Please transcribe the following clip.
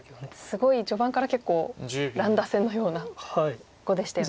すごい序盤から結構乱打戦のような碁でしたよね。